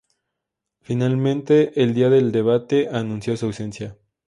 Finalmente, el día del debate, anunció su ausencia.